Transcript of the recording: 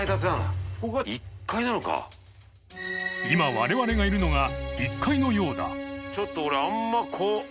禳我々が居るのが１階のようだ飯尾）